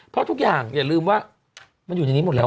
เพราะทุกอย่างอย่าลืมว่ามันอยู่ในนี้หมดแล้ว